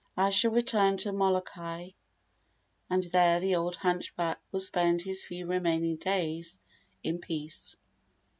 I shall return to Molokai, and there the old hunchback will spend his few remaining days in peace."